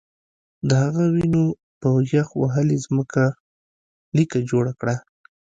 د هغه وینو په یخ وهلې ځمکه لیکه جوړه کړه